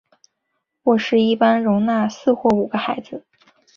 卧室一般容纳四或五个孩子。